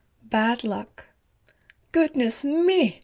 BAD LUCK "GOODNESS me!